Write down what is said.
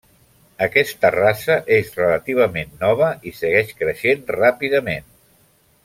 Aquesta raça és relativament nova i segueix creixent ràpidament.